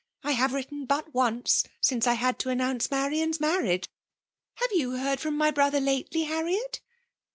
I have written but once since I had to announce Marian's marriage. Have you heard from my brother lately, Harriet